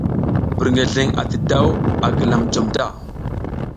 Birngeleŋ ati daw a gilam jom ta.